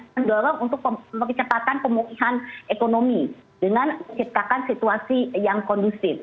mendorong untuk mempercepatan pemulihan ekonomi dengan menciptakan situasi yang kondusif